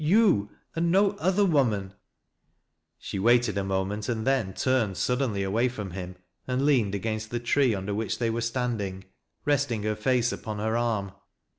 " You, and no othei woman I " She waited a moment and then turned suddenly away from him, and leaned against the tree under which they were standing, resting her face upon her arm.